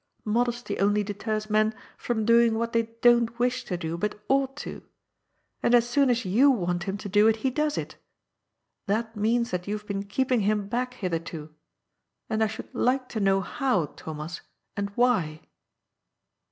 Modesty only deters men from doing what they don't wish to do but ought to. And as soon as you want him to do it, he does it. That means that you've been keeping him back hitherto. And I should like to know how, Thomas, and why."